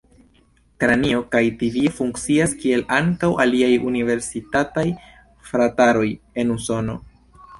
Kranio kaj tibio funkcias kiel ankaŭ aliaj universitataj frataroj en Usono.